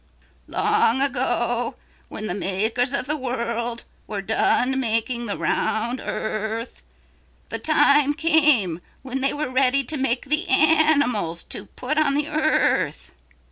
"Long ago, when the Makers of the World were done making the round earth, the time came when they were ready to make the animals to put on the earth.